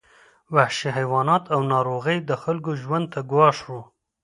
وحشي حیوانات او ناروغۍ د خلکو ژوند ته ګواښ وو.